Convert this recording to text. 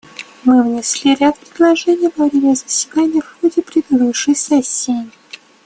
Мы внесли ряд предложений во время заседаний в ходе предыдущей сессии.